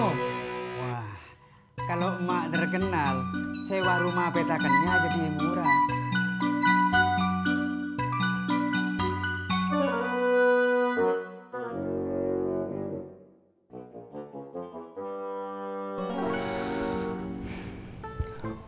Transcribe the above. wah kalau emak terkenal sewa rumah petakannya jadi murah